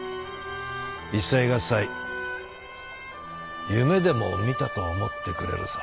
一切合財夢でも見たと思ってくれるさ。